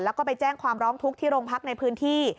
แล้วก็ไปแจ้งความร้องทุกข์ที่โรงพักในพื้นที่